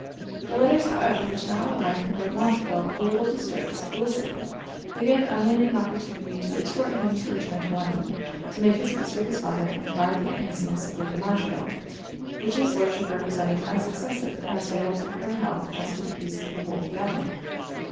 The letters, however, which now arrived from Lord Montreville, a little disturbed his felicity. They gave Emmeline an opportunity to exhort him to return to London to make his peace with his father, and quiet the uneasiness of Lady Montreville, which his Lordship represented as excessive, and as fatal to her health as to the peace of the whole family.